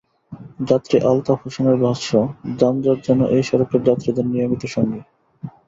যাত্রী আলতাফ হোসেনের ভাষ্য, যানজট যেন এই সড়কের যাত্রীদের নিয়মিত সঙ্গী।